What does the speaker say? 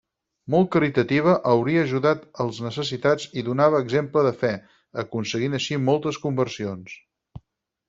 Molt caritativa, hauria ajudat els necessitats i donava exemple de fe, aconseguint així moltes conversions.